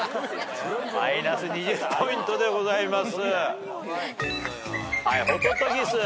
マイナス２０ポイントでございます。